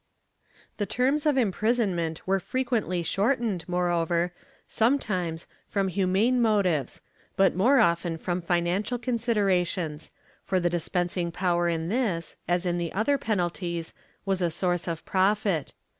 ^ The terms of imprisonment were frequently shortened, more over, sometimes, from humane motives, but more often from financial considerations, for the dispensing power in this, as in the other penalties, was a source of profit.